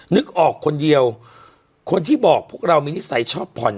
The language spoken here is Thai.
นึกออกคนเดียวคนที่บอกพวกเรามีนิสัยชอบผ่อน